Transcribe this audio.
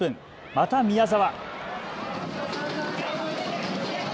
また宮澤。